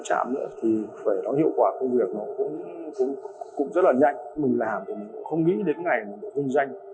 thi đua thì phải yêu nước yêu nước thì phải thi đua